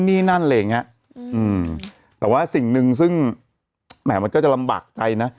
นี่นั่นเลยงี้อืมแต่ว่าสิ่งนึงซึ่งแหมดมันก็จะลำบากใจนะ